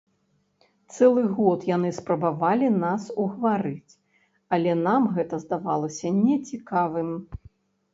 Цэлы год яны спрабавалі нас угаварыць, але нам гэта здавалася нецікавым.